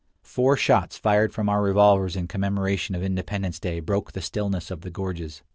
Four shots fired from our revolvers in commemoration of Independence Day broke the stillness of the gorges.